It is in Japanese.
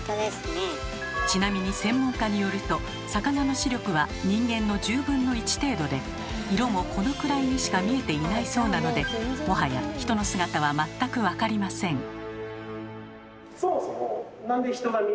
ちなみに専門家によると魚の視力は人間の１０分の１程度で色もこのくらいにしか見えていないそうなのでもはや人の姿は全く分かりません。